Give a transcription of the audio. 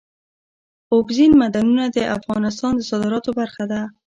اوبزین معدنونه د افغانستان د صادراتو برخه ده.